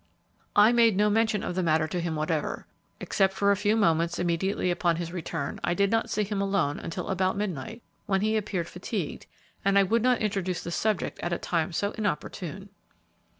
"I made no mention of the matter to him whatever. Except for a few moments, immediately upon his return, I did not see him alone until about midnight, when he appeared fatigued, and I would not introduce the subject at a time so inopportune."